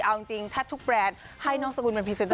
เอาจริงแทบทุกแบรนด์ให้น้องสกุลเป็นพรีเซน